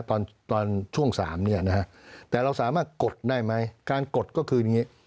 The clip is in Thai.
ตอนตอนช่วง๓เนี่ยนะฮะแต่เราสามารถกดได้ไหมการกดก็คืออย่างนี้